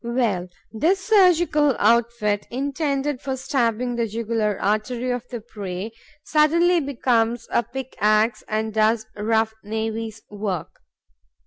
Well, this surgical outfit, intended for stabbing the jugular artery of the prey, suddenly becomes a pick axe and does rough navvy's work.